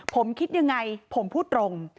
ผมคิดยังไงผมพูดตรง